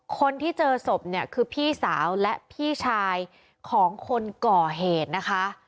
คนที่เจอศพเนี่ยคือพี่สาวและพี่ชายของคนก่อเหตุนะคะ